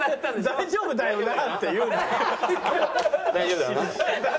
「大丈夫だよな？」。